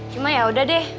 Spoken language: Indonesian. cuma yaudah deh